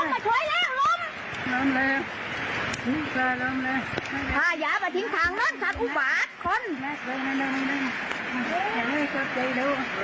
ห้ายามาทิ้งทางเลิกค่ะคุณขวาคน